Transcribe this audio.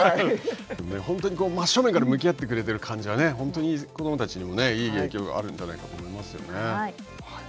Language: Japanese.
本当に真っ正面から向き合ってくれている感じは、本当に子どもたちにもいい影響があるんじゃないかと思いますよね。